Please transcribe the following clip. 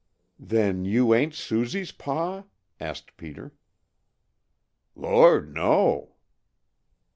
"Then you ain't Susie's pa?" asked Peter. "Lord, no!"